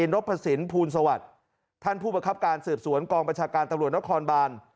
นพสินภูลสวัสดิ์ท่านผู้ประคับการสืบสวนกองประชาการตำรวจนครบาน